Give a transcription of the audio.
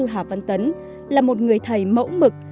giáo sư hà văn tấn là một người thầy mẫu mực